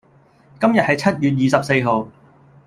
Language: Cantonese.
今日係七月二十四號